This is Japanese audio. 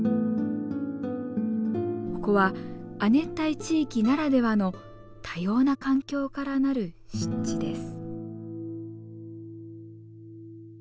ここは亜熱帯地域ならではの多様な環境から成る湿地です。